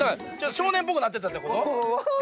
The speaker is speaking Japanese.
少年っぽくなってたってこと？